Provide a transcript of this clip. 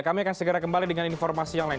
kami akan segera kembali dengan informasi yang lain